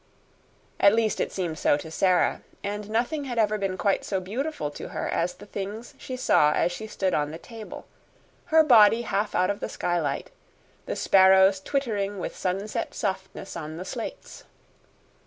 At least it seemed so to Sara, and nothing had ever been quite so beautiful to her as the things she saw as she stood on the table her body half out of the skylight the sparrows twittering with sunset softness on the slates.